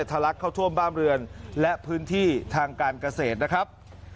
ลักเข้าท่วมบ้านเรือนและพื้นที่ทางการเกษตรนะครับ